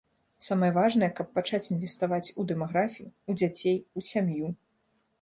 Самае важнае, каб пачаць інвеставаць у дэмаграфію, у дзяцей, у сям'ю.